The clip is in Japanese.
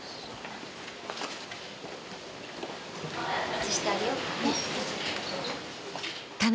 外してあげようかね。